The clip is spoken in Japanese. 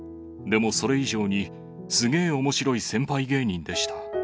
でもそれ以上に、すげーおもしろい先輩芸人でした！